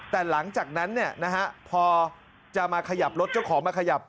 แต่หลังจากนั้นพอจะมาขยับรถเจ้าของมาขยับ